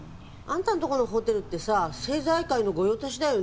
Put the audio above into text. あんたのとこのホテルってさ政財界の御用達だよね？